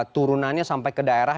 turunannya sampai ke daerah